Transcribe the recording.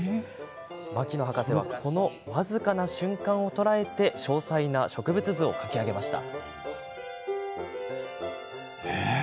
牧野博士はこの僅かな瞬間を捉えて詳細な植物図を描き上げました。